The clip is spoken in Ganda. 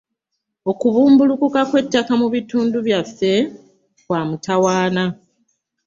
Okubumbulukuka kw'ettaka mu bitundu byaffe kwa mutawaana.